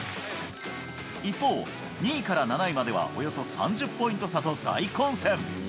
一方、２位から７位までは、およそ３０ポイント差と、大混戦。